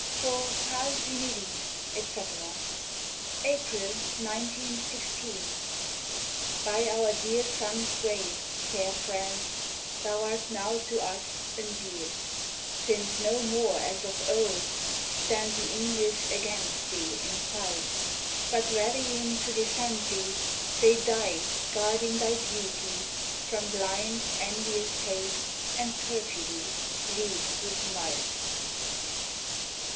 FOR "PAGES INÉDITES," ETC. April, 1916. By our dear sons' graves, fair France, thou'rt now to us, endear'd; Since no more as of old stand th' English against thee in fight, But rallying to defend thee they die guarding thy beauty From blind envious Hate and Perfidy leagued with Might.